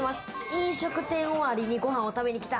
飲食店終わりにご飯を食べに来た。